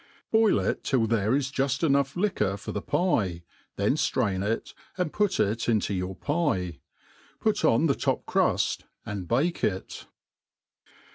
Boil it till there isjufl: enough liquor for the pie, then ilrain it, and put it into your pie $ put on the top cruil, and bake it.